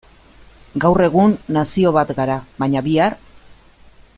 Gaur egun nazio bat gara, baina bihar?